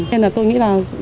nên là tôi nghĩ là